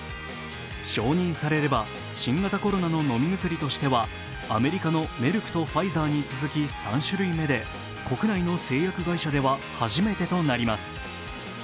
承認されれば、新型コロナの飲み薬としては、アメリカのメルクとファイザーに続き３種類目で国内の製薬会社では初めてとなります。